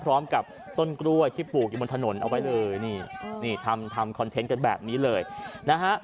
พร้อมกับต้นกล้วยที่ปลูกอยู่บนถนนเอาไว้เลยนี่นี่ทำทำคอนเทนต์กันแบบนี้เลยนะฮะ